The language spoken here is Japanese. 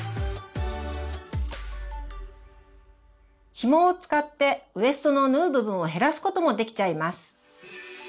ヒモを使ってウエストの縫う部分を減らすこともできちゃいます！